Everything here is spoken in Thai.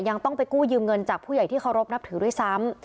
ยังต้องไปกู้ยืมเงินจากผู้ใหญ่ที่เคารพนับถือด้วยซ้ำ